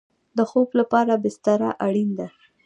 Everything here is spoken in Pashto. د خوب لپاره بستره اړین ده